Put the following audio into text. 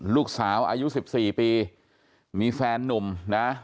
ลูกสาวอายุ๑๔ปีมีแฟนนุ่มนะ